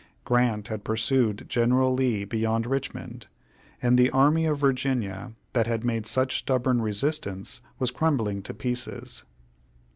Grant had pursued General Lee beyond Richmond, and the army of Virginia, that had made such stubborn resistance, was crumbling to pieces.